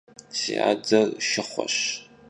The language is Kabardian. Si ader şşıxhueş.